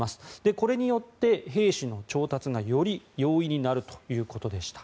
これによって兵士の調達がより容易になるということでした。